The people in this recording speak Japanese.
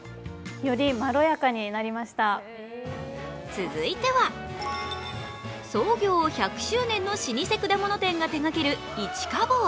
続いては、創業１００周年の老舗果物店が手がける一果房。